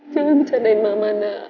jangan bercandain mama nak